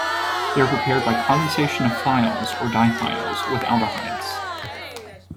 They are prepared by condensation of thiols or dithiols with aldehydes.